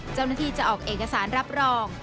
เจ้าหน้าที่จะออกเอกสารรับรอง